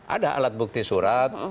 ada alat bukti surat